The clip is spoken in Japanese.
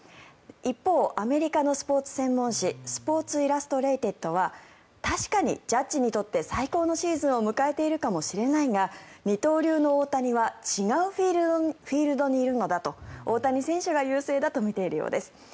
一方、アメリカのスポーツ専門誌「スポーツ・イラストレイテッド」は確かにジャッジにとって最高のシーズンを迎えているかもしれないが二刀流の大谷は違うフィールドにいるのだと大谷選手が優勢だとみているようです。